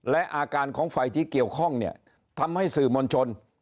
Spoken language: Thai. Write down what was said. และอาการของฝ่ายที่เกี่ยวข้องเนี่ยทำให้สื่อมวลชน